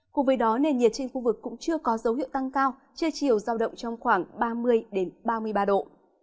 cùng với đó nền nhiệt trên khu vực cũng chưa có dấu hiệu tăng cao trưa chiều giao động trong khoảng ba mươi ba mươi ba độ